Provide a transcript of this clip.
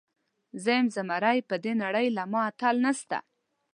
زه یم زمری، پر دې نړۍ له ما اتل نسته.